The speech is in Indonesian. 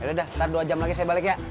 yaudah ntar dua jam lagi saya balik ya